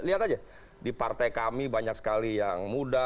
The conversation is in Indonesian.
lihat aja di partai kami banyak sekali yang muda